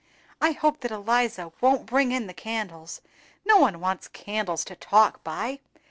"I hope that Eliza won't bring in the candles; no one wants candles to talk by.